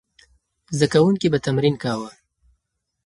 زده کوونکي به تمرین کاوه.